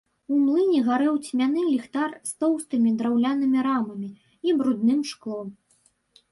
У млыне гарэў цьмяны ліхтар з тоўстымі драўлянымі рамамі і брудным шклом.